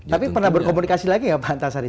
tapi pernah berkomunikasi lagi gak pak antasari